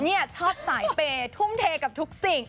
นี่ชอบสายเปย์ทุ่มเทกับทุกสิ่ง